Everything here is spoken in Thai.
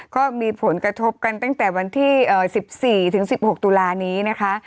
ก็มีผลกระทบกันตั้งแต่วันที่๑๔ถึง๑๖ตุลานี้นะคะ